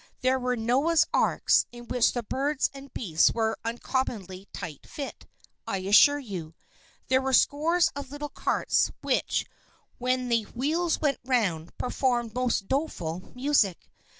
There were Noah's Arks in which the birds and beasts were an uncommonly tight fit, I assure you. There were scores of little carts, which, when the wheels went round, performed most doleful music.